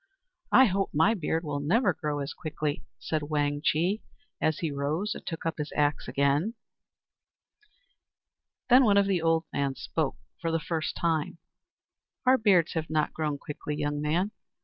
"I hope my beard will never grow as quickly," said Wang Chih, as he rose and took up his axe again. Then one of the old men spoke, for the first time. "Our beards have not grown quickly, young man.